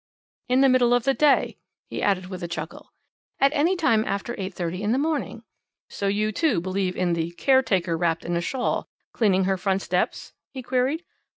"In the middle of the day?" he said with a chuckle. "Any time after 8.30 in the morning." "So you, too, believe in the 'caretaker, wrapped up in a shawl,' cleaning her front steps?" he queried.